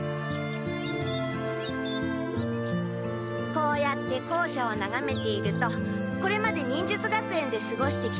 こうやって校舎をながめているとこれまで忍術学園ですごしてきたいろんなことを思い出す。